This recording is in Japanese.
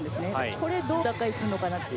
これ、どう打開するのかなっていう。